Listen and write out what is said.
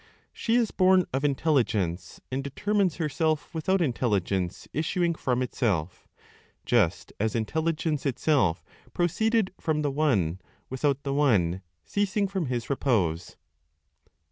She is born of Intelligence, and determines herself without Intelligence issuing from itself, just as Intelligence itself proceeded from the One without the One ceasing from His repose.